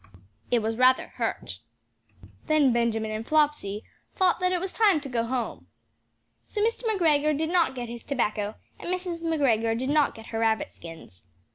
It was rather hurt. Then Benjamin and Flopsy thought that it was time to go home. So Mr. McGregor did not get his tobacco, and Mrs. McGregor did not get her rabbit skins.